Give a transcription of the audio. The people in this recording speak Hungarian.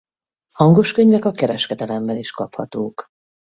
Hangoskönyvek a kereskedelemben is kaphatók.